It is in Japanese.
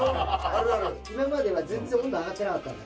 今までは全然温度上がってなかったんで。